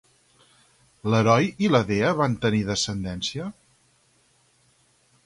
L'heroi i la dea van tenir descendència?